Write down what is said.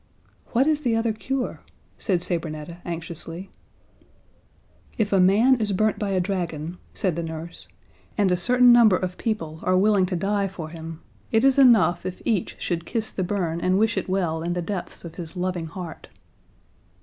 "What is the other cure?" said Sabrinetta anxiously. "If a man is burnt by a dragon," said the nurse, "and a certain number of people are willing to die for him, it is enough if each should kiss the burn and wish it well in the depths of his loving heart."